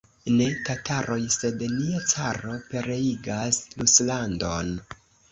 Ne tataroj, sed nia caro pereigas Ruslandon!